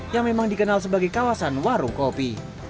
yang memang dikenal sebagai kawasan warung kopi